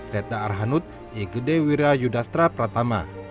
retta arhanud igedewira yudastra pratama